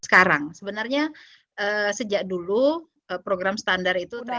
sekarang sebenarnya sejak dulu program standar itu